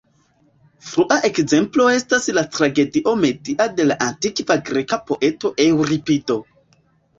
Frua ekzemplo estas la tragedio "Medea" de la antikva greka poeto Eŭripido.